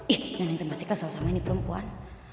ih nenek masih kesel sama ini perempuan